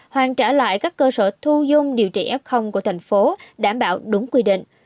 hoàn trả lại các cơ sở thu dung điều trị f của thành phố đảm bảo đúng quy định